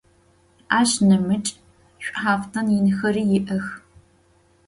Aş nemıç' ş'uhaftın yinxeri yi'ex.